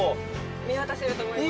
見渡せると思います。